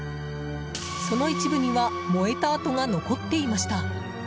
その一部には燃えた跡が残っていました。